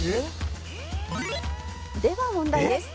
「では問題です」